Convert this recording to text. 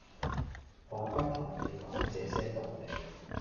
「我不同你講這些道理；